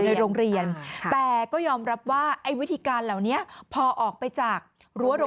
ฟังเสียงคุณแม่และก็น้องที่เสียชีวิตค่ะ